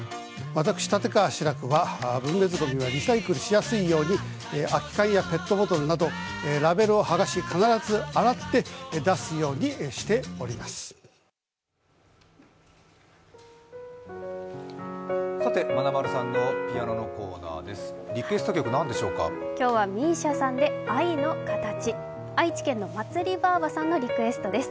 私、立川志らくは分別ごみはリサイクルしやすいように空き缶やペットボトルなどラベルをはがし必ず洗って出すようにしております。